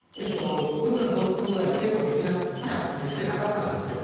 国のトップがいてもできてなかったんですよ。